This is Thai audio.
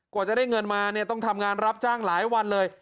กว่าจะได้เงินมาเนี่ยต้องทำงานรับจ้างหลายวันเลย